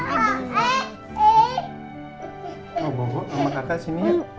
oh bobo sama kakak sini ya